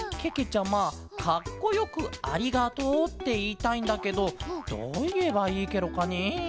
ちゃまかっこよく「ありがとう」っていいたいんだけどどういえばいいケロかねえ？